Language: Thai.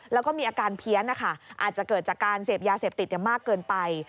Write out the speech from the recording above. แล้วก็มีอาการเพี้ยนนะคะอาจจะเกิดจากการเสพยาเสพติดมากเกินไป